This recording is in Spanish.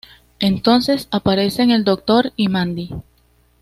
Entonces aparecen el Doctor y Mandy.